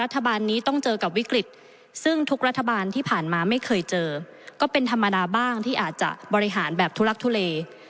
ที่อาจจะบริหารแบบทุลักษณ์ทุเล